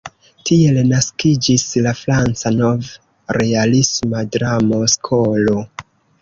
Tiel naskiĝis la franca nov-realisma dramo-skolo.